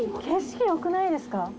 景色よくないですか？